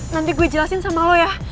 nanti gue jelasin sama lo ya